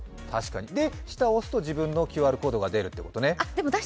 下を押すと自分のＱＲコードが出るってことね。